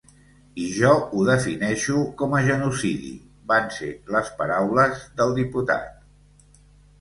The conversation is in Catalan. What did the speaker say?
I jo ho defineixo com a genocidi, van ser les paraules del diputat.